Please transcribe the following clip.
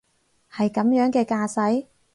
係噉樣嘅架勢？